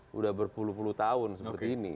sudah berpuluh puluh tahun seperti ini